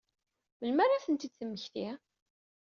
Melmi ara ad tent-id-temmekti?